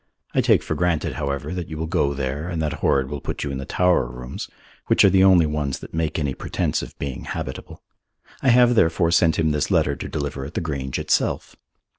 I take for granted, however, that you will go there and that Horrod will put you in the tower rooms, which are the only ones that make any pretence of being habitable. I have, therefore, sent him this letter to deliver at the Grange itself.